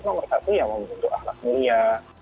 nomor satu yang membentuk ahlak mulia